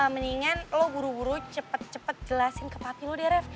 mendingan lo buru buru cepet cepet jelasin ke papi lo deh rev